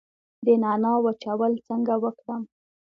د نعناع وچول څنګه وکړم؟